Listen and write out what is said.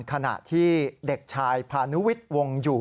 ขณะที่เด็กชายพานุวิทย์วงอยู่